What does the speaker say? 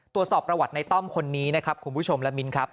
ตรวจสอบประวัติในต้อมคนนี้นะครับคุณผู้ชมและมิ้นครับ